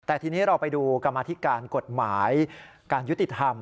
แต่ทีนี้เราไปดูกรรมธิการกฎหมายการยุติธรรม